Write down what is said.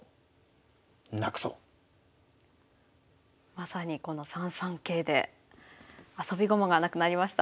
まさにこの３三桂であそび駒がなくなりました。